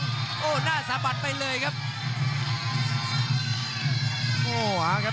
อย่าหลวนนะครับที่เตือนทางด้านยอดปรับศึกครับ